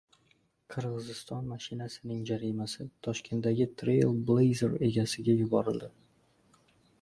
Qirg‘iziston mashinasining jarimasi Toshkentdagi "Trailblazer" egasiga yuborildi